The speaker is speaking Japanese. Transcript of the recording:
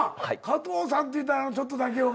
加藤さんっていったら「ちょっとだけよ」がやっぱ。